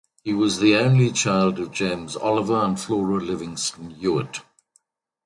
He was the only child of James Oliver and Flora Livingstone Ewart.